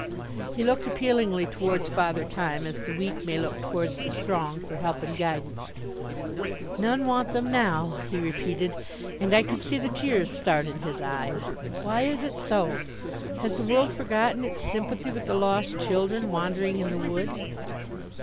He looked appealingly towards Father Time, as the weak may look towards the strong, for help and guidance. "None want them now," he repeated, and I could see the tears start in his eyes. "Why is it so? Has the world forgotten its sympathy with the lost children wandering in the wood?"